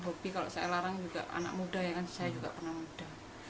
hobi kalau saya larang juga anak muda ya kan saya juga pernah muda